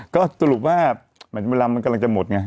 ก็สรุปว่าเหมือนเวลามันกำลังจะหมดไง